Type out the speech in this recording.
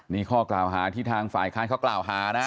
นี่ข้อกล่าวหาที่ทางฝ่ายค้านเขากล่าวหานะ